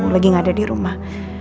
lagi gak ada dirumah